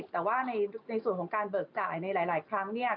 แต่ว่าในส่วนของการเบิกจ่ายในหลายครั้งเนี่ย